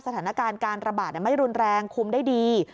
สถานการณ์การระบาดไม่รุนแรงคุมได้ดี